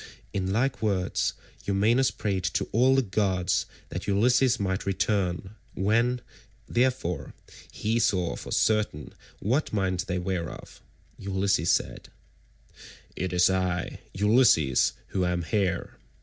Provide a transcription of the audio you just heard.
In like words Eumaeus prayed to all the gods that Ulysses might return; when, therefore, he saw for certain what mind they were of, Ulysses said, "It is I, Ulysses, who am here.